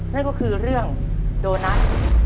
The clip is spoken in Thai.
นั่นก็คือเรื่องโดนัท